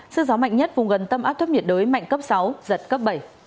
sức gió mạnh nhất vùng gần tâm áp thấp nhiệt đới mạnh cấp sáu giật cấp bảy